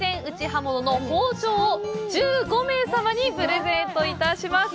刃物の包丁を１５名様にプレゼントいたします。